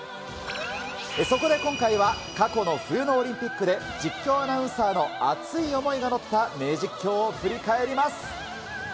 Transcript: そこで今回は、過去の冬のオリンピックで実況アナウンサーの熱い思いが乗った名実況を振り返ります。